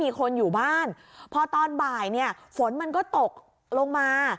ไม่มีคนอยู่บ้านพอตอนบ่ายฝนมันก็ตกลงมา